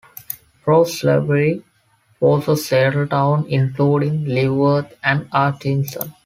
Pro-slavery forces settled towns including Leavenworth and Atchison.